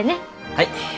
はい。